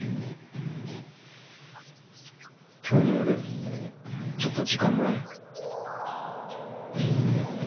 今日の夜ちょっと時間もらえん？